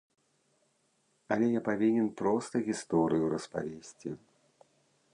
Але я павінен проста гісторыю распавесці.